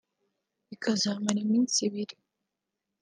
ikazamara iminsi ibiri